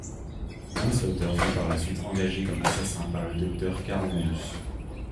Manslaughter fut par la suite engagé comme assassin par le docteur Karl Malus.